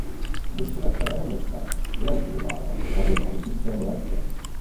Většina starého města byla zbudována za dob habsburské monarchie.